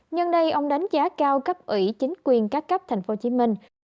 nhân đây ông đánh giá cao các ủy chính quyền các cấp tp hcm